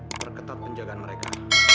perketat penjagaan mereka